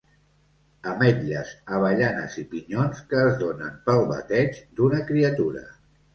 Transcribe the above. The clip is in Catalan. Ametlles, avellanes i pinyons que es donen pel bateig d'una criatura.